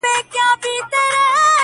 ملکې ته ډوډۍ راوړه نوکرانو٫